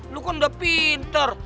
lo kan udah pinter